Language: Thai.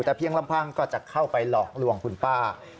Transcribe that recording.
แต่เพียงลำพังก็จะเข้าไปหลอกลวงคุณป้า